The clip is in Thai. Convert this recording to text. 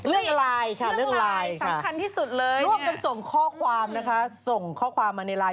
เรื่องไลน์ค่ะเรื่องไลน์ค่ะร่วมกันส่งข้อความนะคะส่งข้อความมาในไลน์